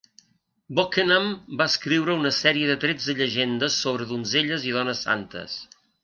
Bokenam va escriure una sèrie de tretze llegendes sobre donzelles i dones santes.